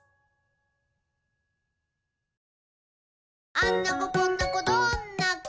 「あんな子こんな子どんな子？